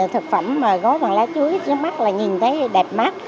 thực phẩm mà gói bằng lá chuối trước mắt là nhìn thấy đẹp mắt